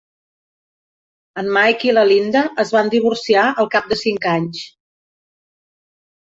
En Mike i la Linda es van divorciar al cap de cinc anys.